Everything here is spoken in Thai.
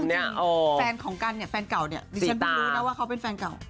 จริงเฟนเก่ากันเนี่ยผมไม่รู้นะว่าเขาก็เป็นเก่า